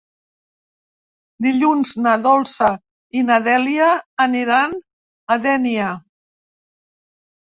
Dilluns na Dolça i na Dèlia aniran a Dénia.